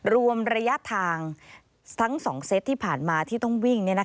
รวมระยะทางทั้ง๒เซตที่ผ่านมาที่ต้องวิ่ง